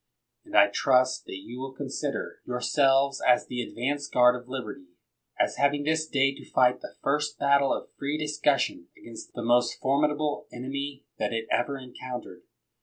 And I trust that you will consider 89 THE WORLD'S FAMOUS ORATIONS yourselves as the advanced guard of liberty, as having this day to fight the first battle of free discussion against the most formidable ene my that it ever encountered.